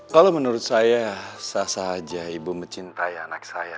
kalau menurut saya sah saja ibu mencintai anak saya